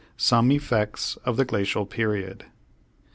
SOME EFFECTS OF THE GLACIAL PERIOD.